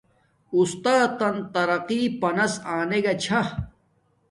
اُستاتن ترقی پناس آنگا چھا